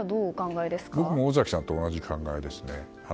僕も尾崎さんと同じ考えです。